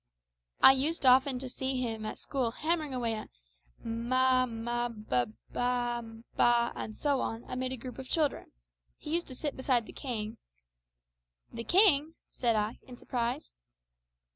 I used often to see him at school hammering away at m a, ma b a, ba, and so on, amid a group of children. He used to sit beside the king " "The king!" said I, in surprise.